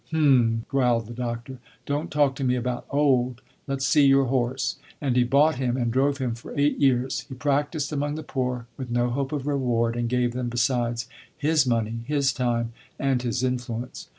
"Hm!" growled the doctor, "don't talk to me about old. Let's see your horse;" and he bought him, and drove him for eight years. He practiced among the poor with no hope of reward, and gave them, besides, his money, his time, and his influence.